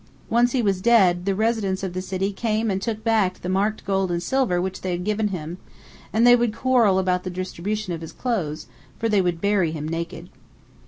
Once he was dead, the residents of the city came and took back the marked gold and silver which they had given him, and they would quarrel about the distribution of his clothes, for they would bury him naked.